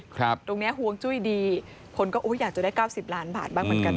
ตรงนี้ห่วงจุ้ยดีคนก็อยากจะได้เก้าสิบล้านบาทบ้างเหมือนกัน